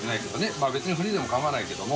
泙別にフリーでも構わないけども。